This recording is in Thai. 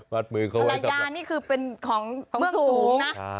ภรรยานี่คือเป็นของเบื้องสูงนะ